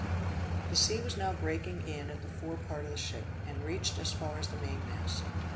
The sea was now breaking in at the fore part of the ship, and reached as far as the mainmast.